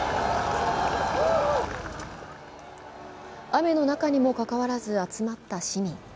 雨の中にもかかわらず集まった市民。